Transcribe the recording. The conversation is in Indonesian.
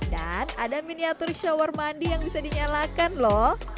dan ada miniatur shower mandi yang bisa dinyalakan loh